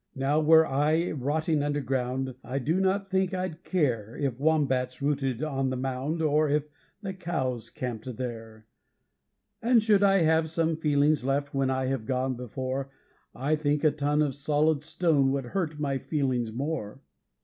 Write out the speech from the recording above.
Now, were I rotting underground, I do not think I'd care If wombats rooted on the mound or if the cows camped there; And should I have some feelings left when I have gone before, I think a ton of solid stone would hurt my feelings more.